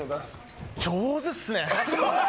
上手っすね。